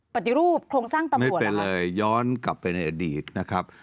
ปฏิรูปโครงสร้างตำรวจไปเลยย้อนกลับไปในอดีตนะครับ